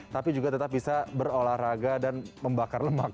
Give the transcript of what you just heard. tapi juga tetap bisa berolahraga dan membakar lemak